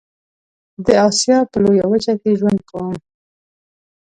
د آسيا په لويه وچه کې ژوند کوم.